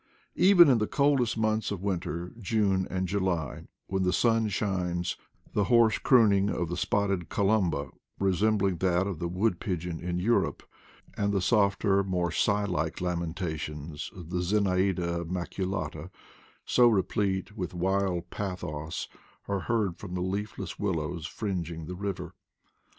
Even in the coldest months of winter, June and July, when the sun shines,* the hoarse crooning of the spotted Columba, resem bling that of the wood pigeon of Europe, and the softer, more sigh like lamentations of the Zenaida 121 122 IDLE DATS IN PATAGONIA maculate, so replete with wild pathos, are heard from the leafless willows fringing the river.